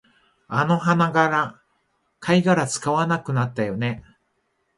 あの鼻長、貝殻使わなくなったよね